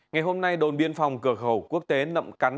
ngày hôm nay đồn biên phòng cửa khẩu quốc tế nậm cắn